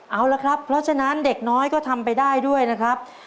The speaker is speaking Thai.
เอาละครับเพราะฉะนั้นเด็กน้อยก็ทำไปได้ด้วยนะครับ